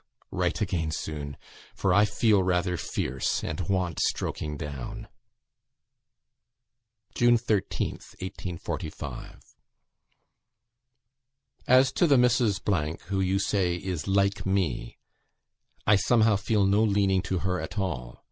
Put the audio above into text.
Write again soon, for I feel rather fierce, and want stroking down." "June 13th, 1845. "As to the Mrs. , who, you say, is like me, I somehow feel no leaning to her at all.